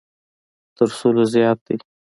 تر سلو زیات دی.